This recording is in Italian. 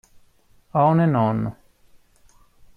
On and On